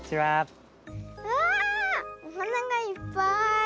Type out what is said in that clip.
わあおはながいっぱい。